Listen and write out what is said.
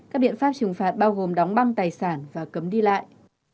các biện pháp trừng phạt bao gồm đóng băng tài sản và cấm đi lại